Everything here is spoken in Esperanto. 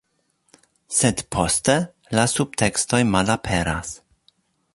Sed poste, la subtekstoj malaperas.